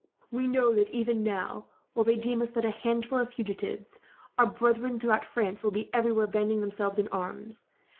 "We know that even now, while they deem us but a handful of fugitives, our brethren throughout France will be everywhere banding themselves in arms.